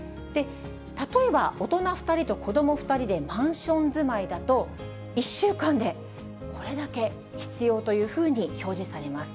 例えば大人２人と子ども２人でマンション住まいだと、１週間でこれだけ必要というふうに表示されます。